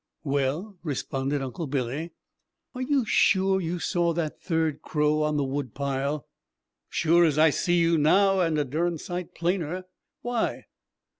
"Well!" responded Uncle Billy. "Are you sure you saw that third crow on the wood pile?" "Sure as I see you now and a darned sight plainer. Why?"